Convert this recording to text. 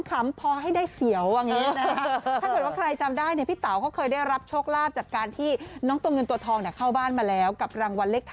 ใครมีดวมก็เอาไปนะคะ